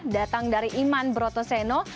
datang dari iman brotoseno